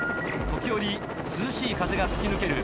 時折涼しい風が吹き抜ける